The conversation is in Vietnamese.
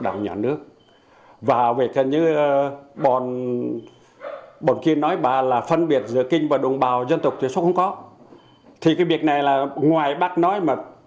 tâm nhìn đến năm hai nghìn bốn mươi năm